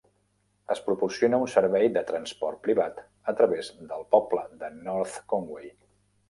Es proporciona un servei de transport privat a través del poble de North Conway.